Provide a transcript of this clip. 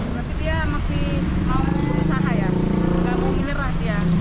tapi dia masih mau berusaha ya nggak mau inilah dia